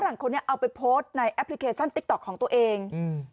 ฝรั่งคนเนี้ยเอาไปโพสต์ในแอปพลิเคชันของตัวเองอืม